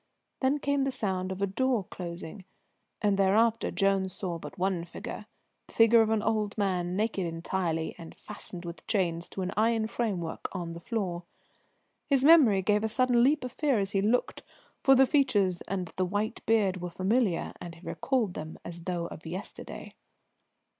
Then came the sound of a door closing, and thereafter Jones saw but one figure, the figure of an old man, naked entirely, and fastened with chains to an iron framework on the floor. His memory gave a sudden leap of fear as he looked, for the features and white beard were familiar, and he recalled them as though of yesterday.